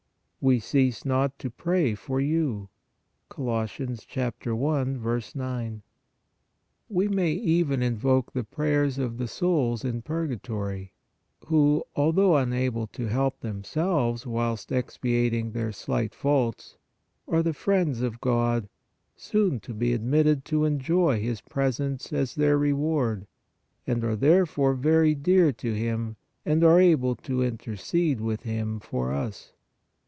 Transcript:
We cease not to pray for you" (Col. I. 9). We may even invoke the prayers of the souls in purgatory, who, although unable to help themselves whilst expiating their slight faults, are the friends of God soon to be admitted to enjoy His presence 62 PRAYER as their reward, and are therefore very dear to Him and able to intercede with Him for us.